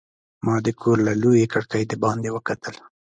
ما د کور له لویې کړکۍ د باندې وکتل.